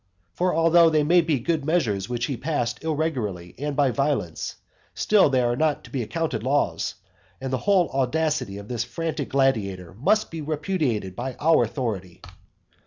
For although they may be good measures which he passed irregularly and by violence, still they are not to be accounted laws, and the whole audacity of this frantic gladiator must be repudiated by our authority.